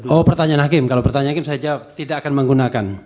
oh pertanyaan hakim kalau pertanyaan hakim saya jawab tidak akan menggunakan